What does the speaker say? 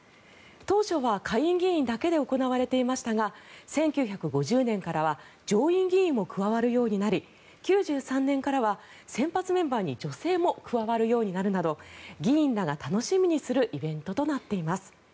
当初は下院議員だけで行われていましたが１９５０年からは上院議員も加わるようになり９３年からは先発メンバーに女性も加わるようになるなど議員らが楽しみにするイベントとなっています。